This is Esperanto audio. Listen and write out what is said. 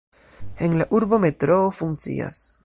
En la urbo metroo funkcias.